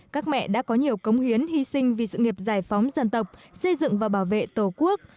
các mẹ đã có nhiều cống hiến hy sinh vì sự nghiệp giải phóng dân tộc xây dựng và bảo vệ tổ quốc